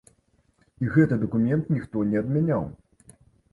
І гэты дакумент ніхто не адмяняў!